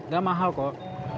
gak mahal kok